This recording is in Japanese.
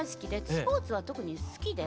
スポーツは特に好きで。